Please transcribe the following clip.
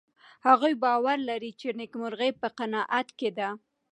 هغوی باور لري چې نېکمرغي په قناعت کې ده.